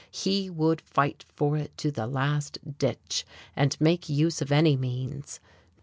He would fight for it to the last ditch, and make use of any means.